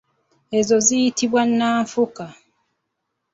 Ezo ziyitibwa nanfuka.